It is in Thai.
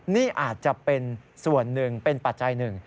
นี่อาจจะเป็นส่วนหนึ่งเป็นปัจจัยหนึ่ง